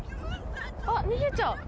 あっ逃げちゃう。